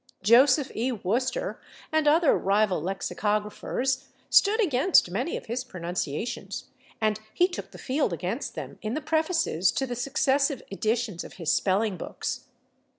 Joseph E. Worcester and other rival lexicographers stood against many of his pronunciations, and he took the field against them in the prefaces to the successive editions of his spelling books.